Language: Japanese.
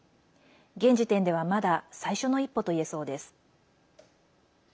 現時点ではまだ最初の一歩といえそうです。